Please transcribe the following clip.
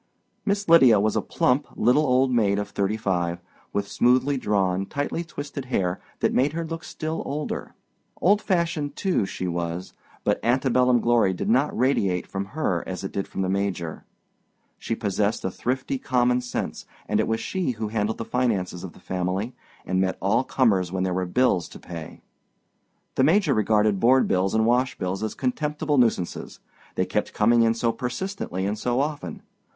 Miss Lydia was a plump, little old maid of thirty five, with smoothly drawn, tightly twisted hair that made her look still older. Old fashioned, too, she was; but antebellum glory did not radiate from her as it did from the Major. She possessed a thrifty common sense, and it was she who handled the finances of the family, and met all comers when there were bills to pay. The Major regarded board bills and wash bills as contemptible nuisances. They kept coming in so persistently and so often.